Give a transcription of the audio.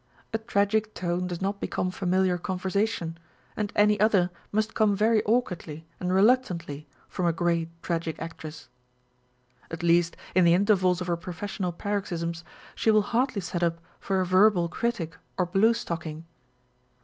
A tragic tone does not become familiar conversation, and any other must come very awkwardly and reluctantly from a great tragic actress. At least, in the intervals of her professional paroxysms, she will hardly set up for a verbal critic or blue stocking.